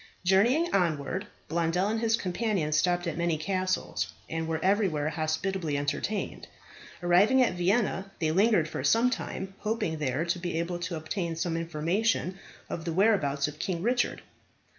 Journeying onward, Blondel and his companion stopped at many castles, and were everywhere hospitably entertained. Arriving at Vienna they lingered for some time, hoping there to be able to obtain some information of the whereabouts of King Richard.